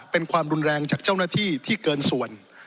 เป็นความรุนแรงจากเจ้าหน้าที่ที่เกินส่วน